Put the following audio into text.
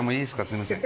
すいません。